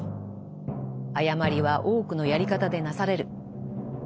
誤りは多くのやり方でなされる。